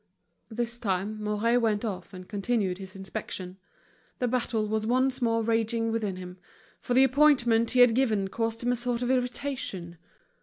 This time Mouret went off and continued his inspection. The battle was once more raging within him, for the appointment he had given caused him a sort of irritation.